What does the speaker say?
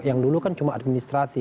yang dulu kan cuma administratif